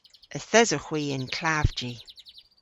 Yth esowgh hwi y'n klavji.